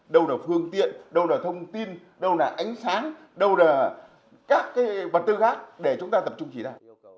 đâu là phương tiện đâu là thông tin đâu là ánh sáng đâu là các vật tư khác để chúng ta tập trung chỉ ra